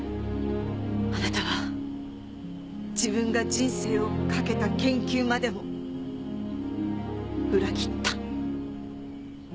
あなたは自分が人生をかけた研究までも裏切った。